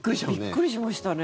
びっくりしましたね。